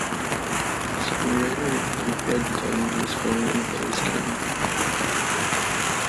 Screenwriter Winifred Dunn was born in Vilas County.